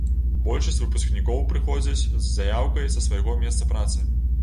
Большасць выпускнікоў прыходзяць з заяўкай са свайго месца працы.